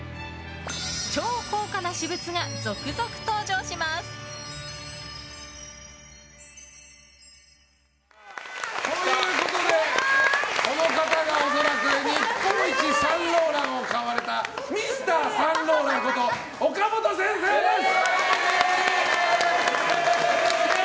超高価な私物が続々登場します。ということでこの方が恐らく日本一サンローランを買われたＭｒ．サンローランこと岡本先生です！